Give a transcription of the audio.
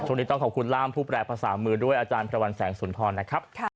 ช่วงนี้ต้องขอบคุณร่ามผู้แปรภาษามือด้วยอาจารย์พระวันแสงสุนทรนะครับ